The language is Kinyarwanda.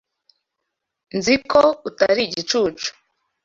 Nzi ko utari igicucu.